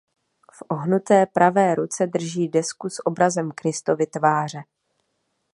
V ohnuté pravé ruce drží desku s obrazem Kristovy tváře.